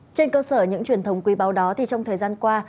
trên cơ sở những truyền thống quý báu đó thì trong thời gian qua